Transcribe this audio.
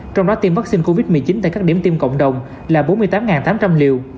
trong đó tiêm vaccine covid một mươi chín tại các điểm tiêm cộng đồng là bốn mươi tám tám trăm linh liều